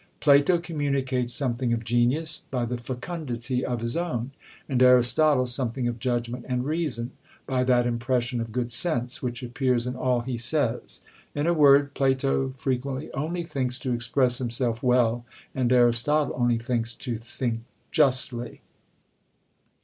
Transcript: Plato communicates something of genius, by the fecundity of his own; and Aristotle something of judgment and reason, by that impression of good sense which appears in all he says. In a word, Plato frequently only thinks to express himself well: and Aristotle only thinks to think justly."